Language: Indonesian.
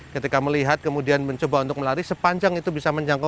ketika melihat kemudian mencoba untuk melari sepanjang itu bisa menjangkau